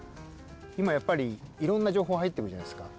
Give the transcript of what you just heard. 今やっぱりいろんな情報が入ってくるじゃないですか。